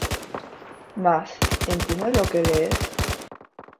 Mas ¿entiendes lo que lees?